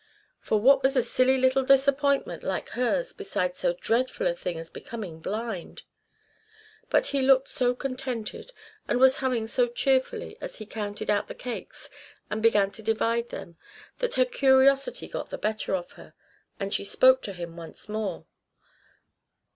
For what was a silly little disappointment like hers beside so dreadful a thing as becoming blind? But he looked so contented and was humming so cheerfully as he counted out the cakes and began to divide them that her curiosity got the better of her, and she spoke to him once more.